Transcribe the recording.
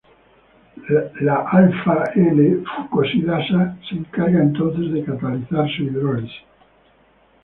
La alfa-L-fucosidasa se encarga entonces de catalizar su hidrólisis.